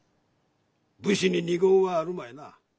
武士に二言はあるまいな。